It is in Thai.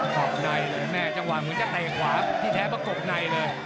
สอบในเลยแม่จังหวะเหมือนจะเตะขวาที่แท้ประกบในเลย